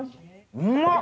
うまっ！